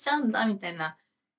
みたいな。